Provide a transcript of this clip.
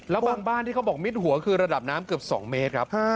แล้วบางบ้านที่เขาบอกมิดหัวคือระดับน้ำเกือบ๒เมตรครับ